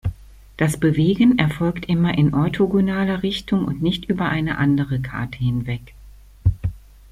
Das Bewegen erfolgt immer in orthogonaler Richtung und nicht über eine andere Karte hinweg.